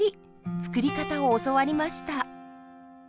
作り方を教わりました。